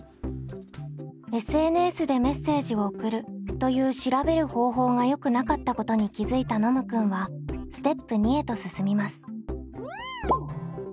「ＳＮＳでメッセージを送る」という調べる方法がよくなかったことに気付いたノムくんはステップ２へと進みます。